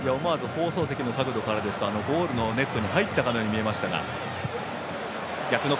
放送席の角度からですとゴールのネットに入ったように見えました。